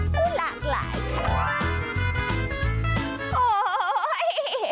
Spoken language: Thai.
หู้หลากหลาย